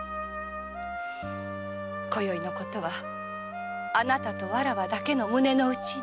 今宵のことはあなたとわらわだけの胸の内に。